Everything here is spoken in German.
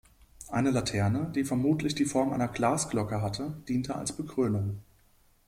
Eine Laterne, die vermutlich die Form einer Glasglocke hatte, diente als Bekrönung.